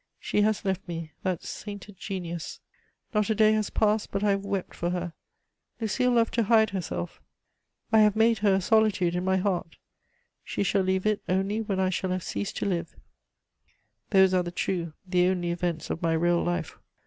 She has left me, that sainted genius. Not a day has passed but I have wept for her. Lucile loved to hide herself; I have made her a solitude in my heart: she shall leave it only when I shall have ceased to live. Those are the true, the only events of my real life!